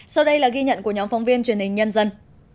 sau đây là ghi nhận của nhóm phóng viên truyền hình nhân dân